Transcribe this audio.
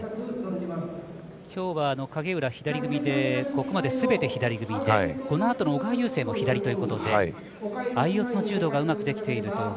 きょうは影浦、左組みでここまですべて左組みでこのあとの小川雄勢も左ということで相四つの柔道がうまくできているという